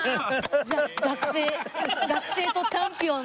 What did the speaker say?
じゃあ学生学生とチャンピオンの時に。